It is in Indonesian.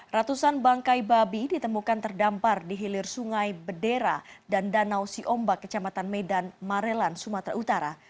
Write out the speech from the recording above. ratusan bangkai babi ditemukan terdampar di hilir sungai bedera dan danau siombak kecamatan medan marelan sumatera utara